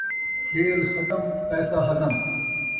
کھیل ختم ، پیسہ ہضم